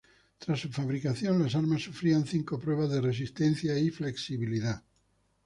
Tras su fabricación las armas sufrían cinco pruebas de resistencia y flexibilidad.